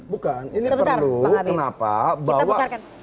bukan ini perlu kenapa bahwa